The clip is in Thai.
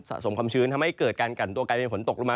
สมความชื้นทำให้เกิดการกันตัวกลายเป็นฝนตกลงมา